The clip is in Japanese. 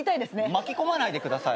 巻き込まないでください。